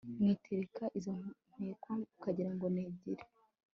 mwitereka izo ntekwa ukagira ngo ni byeri